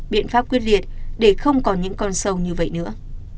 biện pháp quyết liệt để không còn những con sâu như vậy nữa